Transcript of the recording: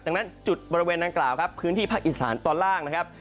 ดังนั้นจุดบริเวณดังกล่าวครับพื้นที่ภาคอีสานตอนล่างนะครับ